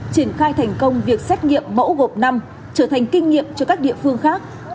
triển khai thành công việc xét nghiệm mẫu gộp năm trở thành kinh nghiệm cho các địa phương khác